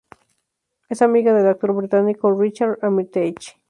Es amiga del actor británico Richard Armitage.